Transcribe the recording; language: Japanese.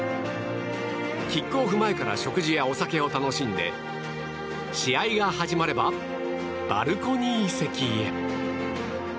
キックオフ前から食事やお酒を楽しんで試合が始まればバルコニー席へ。